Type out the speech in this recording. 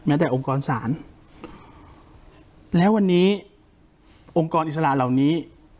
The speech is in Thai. แต่องค์กรศาลแล้ววันนี้องค์กรอิสระเหล่านี้